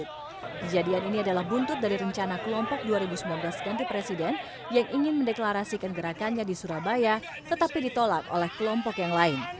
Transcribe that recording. dua ribu sembilan belas ganti presiden yang ingin mendeklarasikan gerakannya di surabaya tetapi ditolak oleh kelompok yang lain